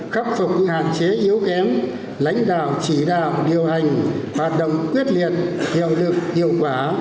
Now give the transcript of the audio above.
khắc phục những hạn chế yếu kém lãnh đạo chỉ đạo điều hành hoạt động quyết liệt hiệu lực hiệu quả